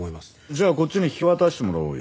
じゃあこっちに引き渡してもらおうよ。